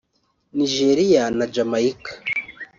Nigeria na Jamaica